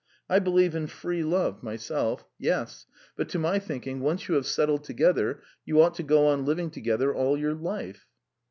I believe in free love myself, yes. ... But to my thinking, once you have settled together, you ought to go on living together all your life."